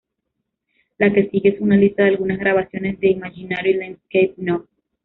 La que sigue es una lista de algunas grabaciones de "Imaginary Landscape No.